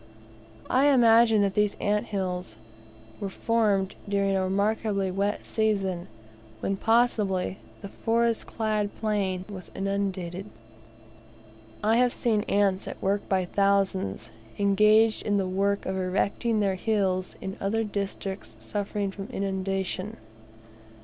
I imagine that these ant hills were formed during a remarkably wet season, when, possibly, the forest clad plain was inundated. I have seen the ants at work by thousands, engaged in the work of erecting their hills in other districts suffering from inundation.